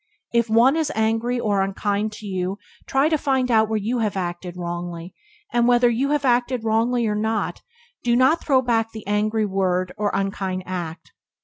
If one is angry or unkind to you try to find out where you have acted wrongly; and, whether you have acted wrongly or not, do not throw back the angry word or unkind act.